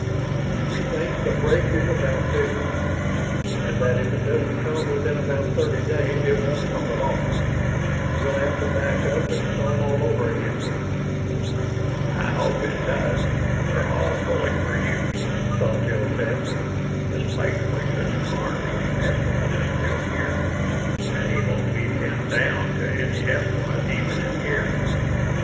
"We think the break is about due, and that if it doesn't come within about thirty days it won't come at all we'll have to back up and start all over again." "I hope it does. We're all pulling for you," Sawtelle said. "Especially since Karns's estimate is still years, and he won't be pinned down to any estimate even in years.